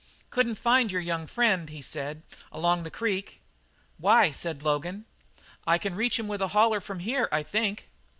"Couldn't find your young friend," he said, "along the creek." "Why," said Logan, "I can reach him with a holler from here, I think."